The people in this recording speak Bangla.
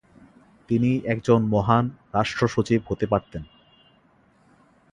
তিনি একজন মহান রাষ্ট্র সচিব হতে পারতেন।